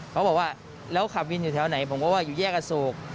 เขาบอกว่าแล้วขับวินอยู่แถวไหนผมก็ว่าอยู่แยกอโศก